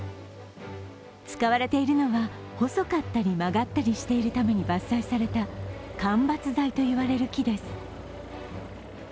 使われているのは、細かったり曲がったりしているために伐採された間伐材と言われる木です。